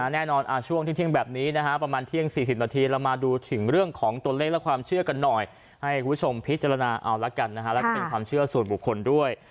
ในช่วงที่เที่ยงแบบนี้นะฮะประมาณเที่ยง๔๐นาทีเรามาดูถึงเรื่องของตัวเลขและความเชื่อกันหน่อยให้คุณผู้ชมพิจารณาเอาละกันนะฮะแล้วก็เป็นความเชื่อส่วนบุคคลด้วย